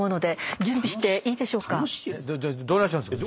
どないしたんですか？